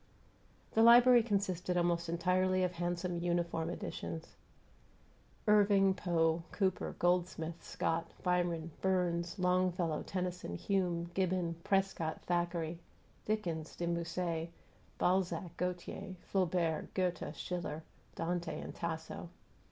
The library consisted almost entirely of handsome "uniform editions": Irving, Poe, Cooper, Goldsmith, Scott, Byron, Burns, Longfellow, Tennyson, Hume, Gibbon, Prescott, Thackeray, Dickens, De Musset, Balzac, Gautier, Flaubert, Goethe, Schiller, Dante, and Tasso.